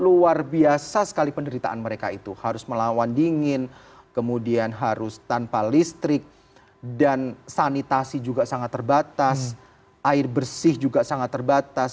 luar biasa sekali penderitaan mereka itu harus melawan dingin kemudian harus tanpa listrik dan sanitasi juga sangat terbatas air bersih juga sangat terbatas